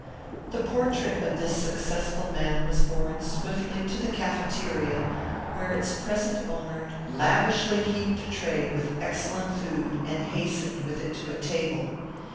The portrait of this successful man was borne swiftly to the cafeteria where its present owner lavishly heaped a tray with excellent food and hastened with it to a table.